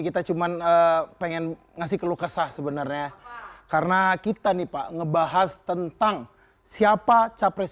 kita cuman pengen ngasih keluh kesah sebenarnya karena kita nih pak ngebahas tentang siapa capres